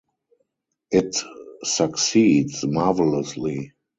It succeeds marvelously.